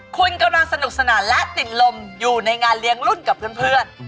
คุณกำลังสนุกสนานและติดลมอยู่ในงานเลี้ยงรุ่นกับเพื่อน